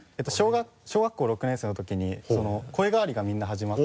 小学校６年生の時に声変わりがみんな始まって。